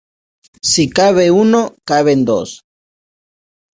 Si cabe uno, caben dos